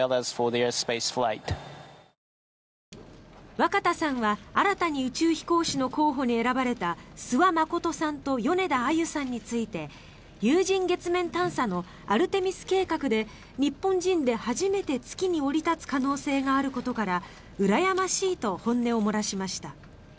若田さんは新たに宇宙飛行士の候補に選ばれた諏訪理さんと米田あゆさんについて有人月面探査のアルテミス計画で日本人で初めて月に降り立つ可能性があることからうらやましいと本音を漏らしました。